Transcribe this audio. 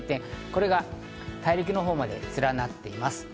これが大陸のほうまで連なっています。